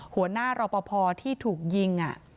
หัวหน้ารอปภที่ถูกยิง